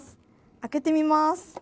開けてみます。